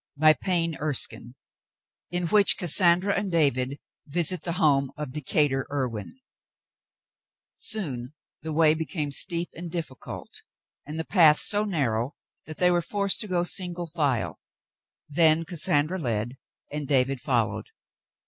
CHAPTER X IN WHICH CASSANDRA AND DAVID VISIT THE HOME OP DECATUR IRWIN Soon the way became steep and difficult and the path so narrow they were forced to go single file. Then Cas sandra led and David followed.